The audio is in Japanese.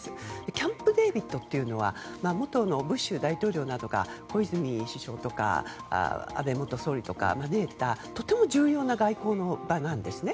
キャンプデービッドというのは元ブッシュ大統領などが小泉首相とか安倍元総理とかを招いたとても重要な外交の場なんですね。